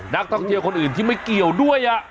นักท่องเที่ยวคนอื่นที่ไม่เกี่ยวด้วย